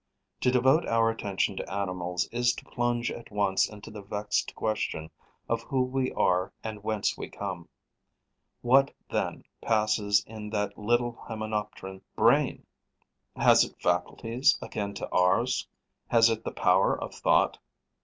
To devote our attention to animals is to plunge at once into the vexed question of who we are and whence we come. What, then, passes in that little Hymenopteron brain? Has it faculties akin to ours, has it the power of thought?